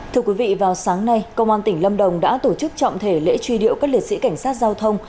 thưa quý vị vào sáng nay công an tỉnh lâm đồng đã tổ chức trọng thể lễ truy điệu các liệt sĩ cảnh sát giao thông